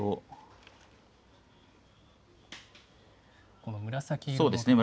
この紫色の所ですね。